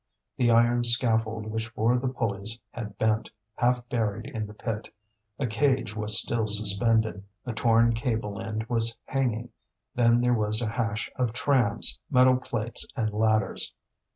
The iron scaffold which bore the pulleys had bent, half buried in the pit; a cage was still suspended, a torn cable end was hanging; then there was a hash of trams, metal plates, and ladders.